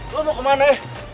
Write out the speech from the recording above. lo mau kemana